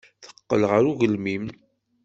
Teqqel ɣer ugelmim.